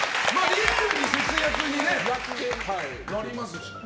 リアルに節約になりますし。